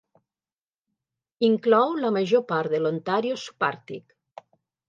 Inclou la major part de l'Ontario subàrtic.